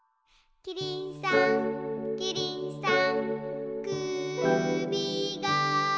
「キリンさんキリンさん」